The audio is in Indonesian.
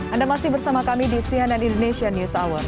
anda masih bersama kami di cnn indonesia news hour